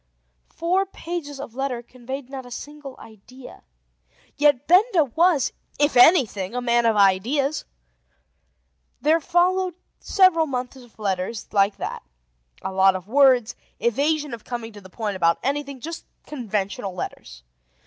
Four pages of letter conveyed not a single idea. Yet Benda was, if anything, a man of ideas. There followed several months of letters like that: a lot of words, evasion of coming to the point about anything; just conventional letters.